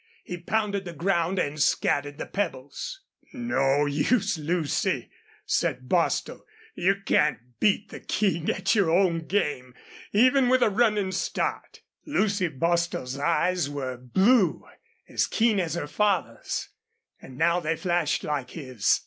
He pounded the ground and scattered the pebbles. "No use, Lucy," said Bostil. "You can't beat the King at your own game, even with a runnin' start." Lucy Bostil's eyes were blue, as keen as her father's, and now they flashed like his.